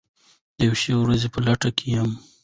د یوې ښې ورځې په لټه کې یو.